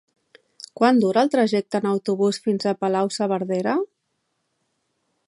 Quant dura el trajecte en autobús fins a Palau-saverdera?